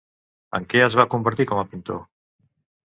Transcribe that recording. En què es va convertir com a pintor?